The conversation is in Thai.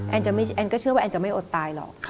แอนก็เชื่อว่าแอนจะไม่อดตายหรอก